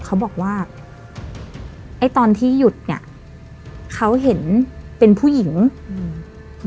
เขาบอกว่าไอ้ตอนที่หยุดเนี้ยเขาเห็นเป็นผู้หญิงอืม